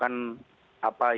apa yang memunjadikan sebab